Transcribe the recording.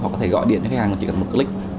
họ có thể gọi điện cho khách hàng chỉ cần một click